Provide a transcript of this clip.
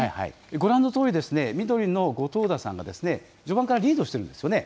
ご覧のとおり、緑の後藤田さんが序盤からリードしているんですよね。